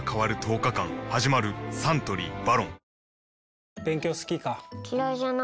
サントリー「ＶＡＲＯＮ」